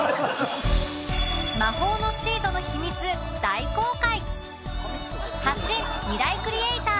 魔法のシートの秘密大公開！